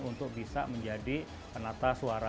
untuk bisa menjadi penata suara